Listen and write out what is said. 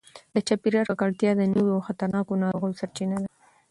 د چاپیریال ککړتیا د نویو او خطرناکو ناروغیو سرچینه ده.